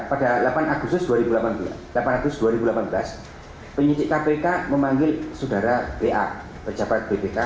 pada delapan agustus delapan agustus dua ribu delapan belas penyidik kpk memanggil saudara pa pejabat bpk